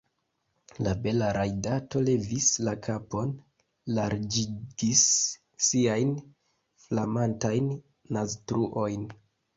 La bela rajdato levis la kapon, larĝigis siajn flamantajn naztruojn.